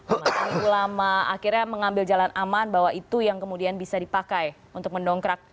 umat ulama akhirnya mengambil jalan aman bahwa itu yang kemudian bisa dipakai untuk mendongkrak